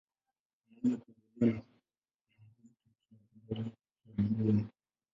Wanaweza kuogelea na kuna ngozi kati ya vidole vya miguu yao.